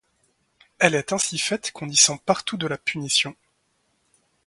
Elle est ainsi faite qu'on y sent partout de la punition.